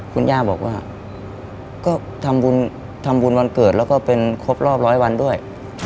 คุณย่าบอกว่าก็ทำบุญวันเกิดแล้วก็เป็นครบรอบร้อยวันด้วย